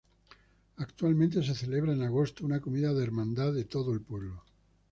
Actualmente se celebra en agosto una comida de hermandad de todo el pueblo.